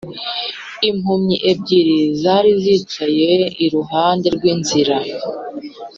Impumyi ebyiri zari zicaye iruhande rw’inzira